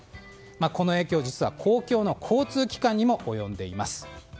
この影響、実は公共の交通機関にも及んでいます。